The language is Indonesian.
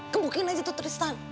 kebukin aja tuh tristan